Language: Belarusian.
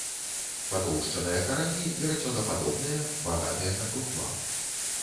Патоўшчаныя карані, верацёнападобныя, багатыя на крухмал.